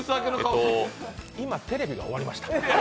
今、テレビが終わりました。